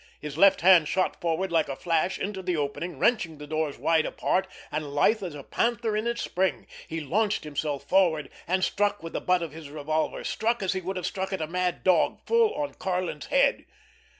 His left hand shot forward like a flash into the opening, wrenching the doors wide apart; and, lithe as a panther in its spring, he launched himself forward, and struck with the butt of his revolver, struck as he would have struck at a mad dog, full on Karlin's head.